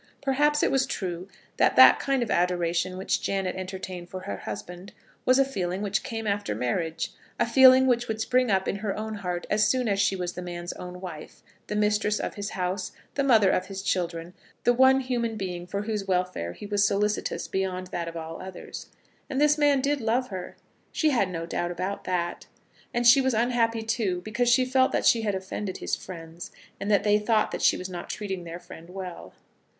Perhaps it was true that that kind of adoration which Janet entertained for her husband was a feeling which came after marriage a feeling which would spring up in her own heart as soon as she was the man's own wife, the mistress of his house, the mother of his children, the one human being for whose welfare he was solicitous beyond that of all others. And this man did love her. She had no doubt about that. And she was unhappy, too, because she felt that she had offended his friends, and that they thought that she was not treating their friend well.